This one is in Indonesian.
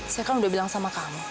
saya kan udah bilang sama kamu